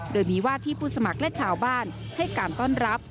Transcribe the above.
โดยมีวาดที่ผู้สมัครและชาวบ้านให้การต้อนรับ